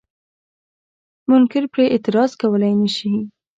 منکر پرې اعتراض کولای نشي.